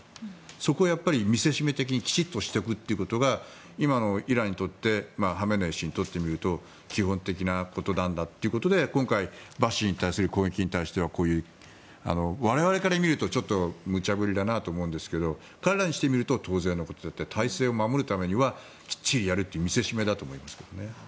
そこはやっぱり見せしめ的にきっちりしておくことが今のイランにとってハメネイ師にとってみると基本的なことなんだということで今回、バシジに対する攻撃に対しては我々から見るとちょっとむちゃ振りだなと思うんですが彼らにしてみると当然のことだったりして体制を守るためにはきっちりやるという見せしめだと思いますね。